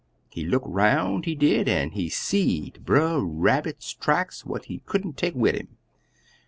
He look 'roun', he did, an' he seed Brer Rabbit's tracks what he couldn't take wid 'im.